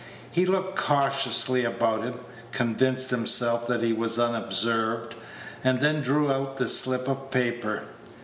He looked cautiously about him, convinced himself that he was unobserved, and then drew out the slip of paper.